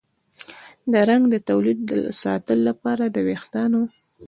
د رنګ د تولید ساتلو لپاره د ویښتانو